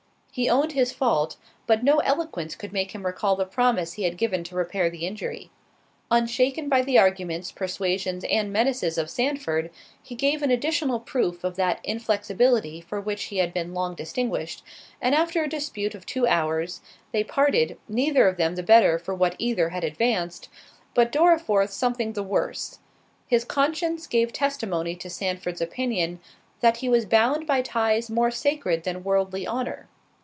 He owned his fault, but no eloquence could make him recall the promise he had given to repair the injury. Unshaken by the arguments, persuasions, and menaces of Sandford, he gave an additional proof of that inflexibility for which he had been long distinguished—and after a dispute of two hours, they parted, neither of them the better for what either had advanced, but Dorriforth something the worse; his conscience gave testimony to Sandford's opinion, "that he was bound by ties more sacred than worldly honour."